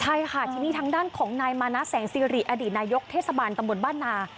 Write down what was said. ใช่ค่ะทีนี้ทางด้านของนายมานะแสงสิริอดีตนายกเทศบาลตำบลบ้านนา